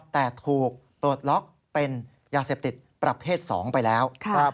แต่ถูกปลดล็อกเป็นยาเสพติดประเภท๒ไปแล้ว